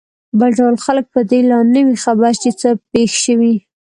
بل ډول خلک په دې لا نه وي خبر چې څه پېښ شوي.